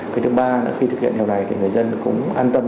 cái thứ ba nữa khi thực hiện điều này thì người dân cũng an tâm